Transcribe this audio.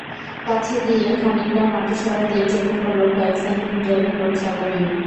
কাছে গিয়ে খানিকটা মাটি সরাতেই চোখে পড়ল কয়েক সেন্টিমিটারের গোল সাদা ডিম।